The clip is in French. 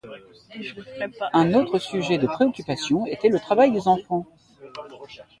Un autre sujet de préoccupation était le travail des enfants.